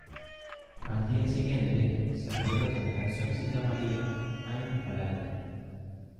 Al día siguiente, se reveló que la canción se llamaría "I'm Alive".